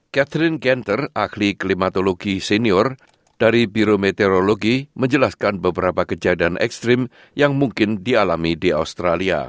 catherine canter ahli klimatologi senior dari birometeorologi menjelaskan beberapa kejadian ekstrim yang mungkin dialami di australia